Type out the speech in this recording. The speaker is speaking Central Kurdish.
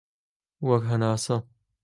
وەک هەناسە